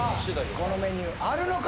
このメニューあるのか？